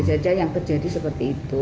ya bisa saja yang terjadi seperti itu